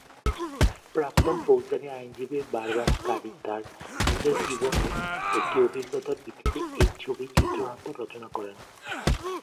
প্রাক্তন ফৌজদারি আইনজীবী বারবারা কারি তাঁর নিজের জীবনের একটি অভিজ্ঞতার ভিত্তিতে এই ছবির চিত্রনাট্য রচনা করেন।